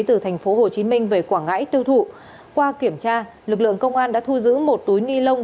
từ tp hcm về quảng ngãi tiêu thụ qua kiểm tra lực lượng công an đã thu giữ một túi ni lông